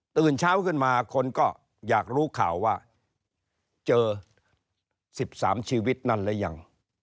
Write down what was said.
ตื่นเช้าขึ้นมาคนก็อยากรู้ข่าวว่าเจอ๑๓ชีวิตนั่นหรือยัง